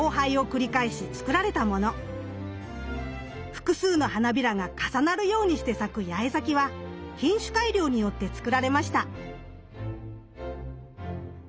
複数の花びらが重なるようにして咲く八重咲きは品種改良によって作られました。